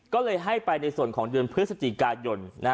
ก็เลยให้ไปในส่วนของเดือนพฤศจิกายน